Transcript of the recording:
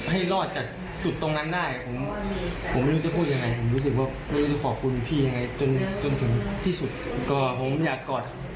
คืออยากเห็นหน้าเขาอยากเห็นพี่เขาตัวเป็นแล้วก็ผม